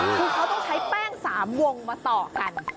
คือเขาต้องใช้แป้ง๓วงมาต่อกัน